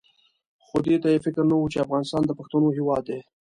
خو دې ته یې فکر نه وو چې افغانستان د پښتنو هېواد دی.